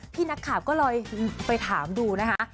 พี่นักข่าวก็เลยไปถามดูนะคะ